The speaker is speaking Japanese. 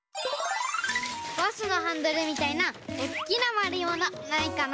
バスのハンドルみたいなおっきなまるいものないかな？